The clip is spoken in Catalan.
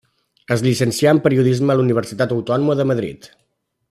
Es llicencià en periodisme a la Universitat Autònoma de Madrid.